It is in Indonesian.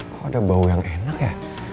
kok ada bau yang enak ya